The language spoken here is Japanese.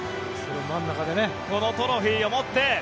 このトロフィーを持って。